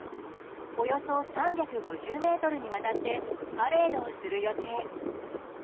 およそ３５０ｍにわたってパレードをする予定。